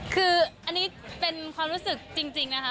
คืออันนี้เป็นความรู้สึกจริงนะคะ